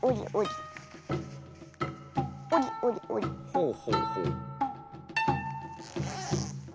ほうほうほう。